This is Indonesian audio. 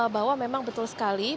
bahwa memang betul sekali